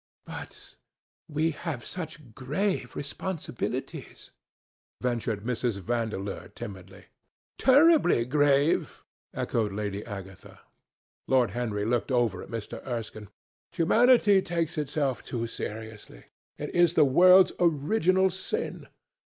"But we have such grave responsibilities," ventured Mrs. Vandeleur timidly. "Terribly grave," echoed Lady Agatha. Lord Henry looked over at Mr. Erskine. "Humanity takes itself too seriously. It is the world's original sin.